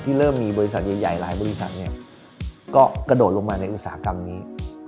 เริ่มมีบริษัทใหญ่หลายบริษัทก็กระโดดลงมาในอุตสาหกรรมนี้